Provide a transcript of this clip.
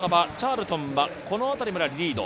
一番外側、チャールトンはこの辺りまでリード。